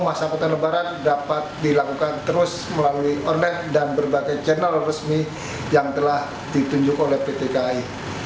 masa angkutan lebaran dapat dilakukan terus melalui online dan berbagai channel resmi yang telah ditunjuk oleh pt kai